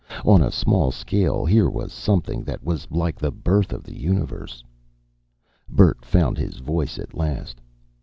On a small scale, here was something that was like the birth of the universe. Bert found his voice at last.